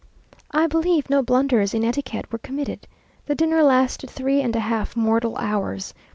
I believe no blunders in etiquette were committed. The dinner lasted three and a half mortal hours.